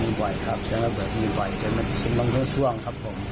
มีบ่อยครับมีบ่อยมันบ่อยเท่าไหร่ครับผม